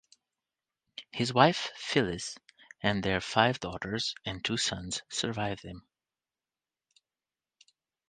His wife, Phyllis, and their five daughters and two sons, survived him.